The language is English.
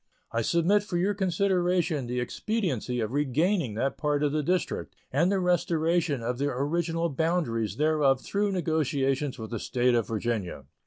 I submit for your consideration the expediency of regaining that part of the District and the restoration of the original boundaries thereof through negotiations with the State of Virginia.